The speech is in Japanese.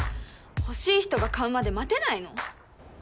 欲しい人が買うまで待てないの？